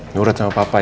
nurut sama papa ya